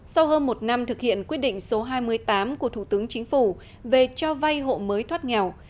sau hơn một năm thực hiện quyết định số hai mươi tám của thủ tướng chính phủ về cho vay hộ mới thoát nghèo